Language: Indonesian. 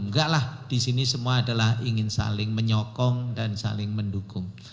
enggak lah di sini semua adalah ingin saling menyokong dan saling mendukung